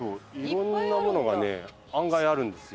色んなものがね案外あるんですよ。